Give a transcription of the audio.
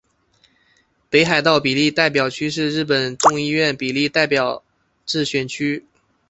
北海道比例代表区是日本众议院比例代表制选区。